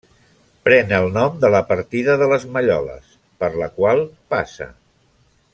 Pren el nom de la partida de les Malloles, per la qual passa.